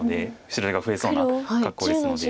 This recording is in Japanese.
白地が増えそうな格好ですので。